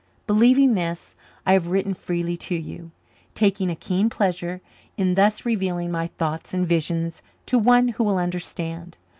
Believing this, I have written freely to you, taking a keen pleasure in thus revealing my thoughts and visions to one who will understand.